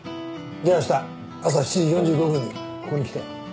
じゃあした朝７時４５分にここに来て。